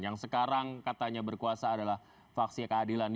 yang sekarang katanya berkuasa adalah faksi keadilan